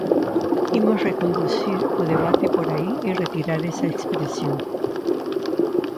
Imos reconducir o debate por aí e retirar esa expresión.